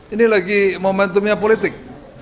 ini lagi momentumnya politik